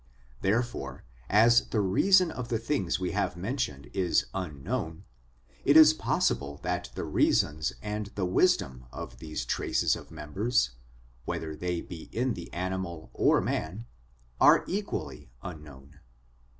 Therefore, as the reason of the things we have mentioned is unknown, it is possible that the reason and the wisdom of these traces of members, whether they be in the animal or man, are equally unknown.